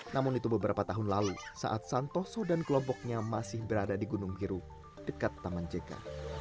namun itu beberapa tahun lalu saat santoso dan kelompoknya masih berada di gunung biru dekat taman jk